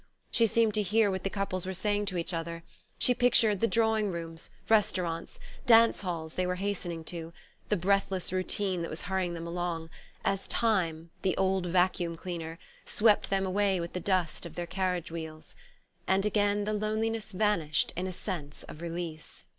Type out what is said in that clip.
She seemed to hear what the couples were saying to each other, she pictured the drawing rooms, restaurants, dance halls they were hastening to, the breathless routine that was hurrying them along, as Time, the old vacuum cleaner, swept them away with the dust of their carriage wheels. And again the loneliness vanished in a sense of release....